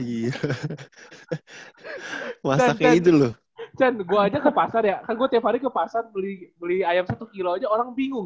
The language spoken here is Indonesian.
chan gue aja ke pasar ya kan gue tiap hari ke pasar beli ayam satu kilo aja orang bingung